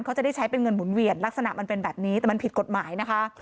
เขาจะได้ใช้เป็นเงินหมุนเวียนลักษณะมันเป็นแบบนี้แต่มันผิดกฎหมายนะคะ